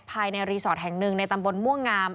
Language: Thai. ภายในรีสอร์ทแห่งหนึ่งในตำบลม่วงงาม